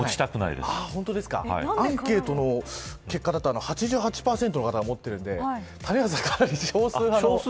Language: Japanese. アンケートの結果だと８８％の方が持っているので谷原さんが少数派。